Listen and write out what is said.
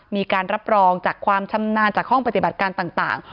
มีการรับรองจากความชำนาญจากห้องปฏิบัติการต่าง